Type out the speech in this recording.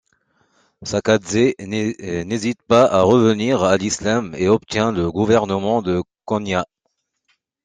Saakadzé n’hésite pas à revenir à l’islam et obtient le gouvernement de Konya.